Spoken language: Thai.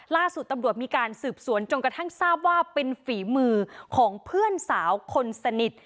ล่าสุดตำรวจมีการสืบสวนจนกระทั่งทราบว่าเป็นฝีมือของเพื่อนสาวคนสนิท